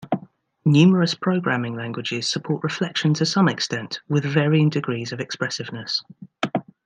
Numerous programming languages support reflection to some extent with varying degrees of expressiveness.